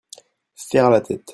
Faire la tête.